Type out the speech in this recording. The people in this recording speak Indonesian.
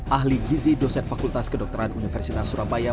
ahli gizi dosen fakultas kedokteran universitas surabaya